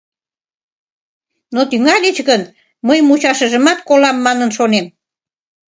— Но тӱҥальыч гын, мый мучашыжымат колам манын шонем.